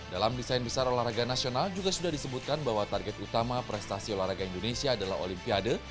dalam desain besar olahraga nasional juga sudah disebutkan bahwa target utama prestasi olahraga indonesia adalah olimpiade